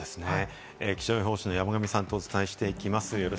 気象予報士の山神さんとお伝えしていきます。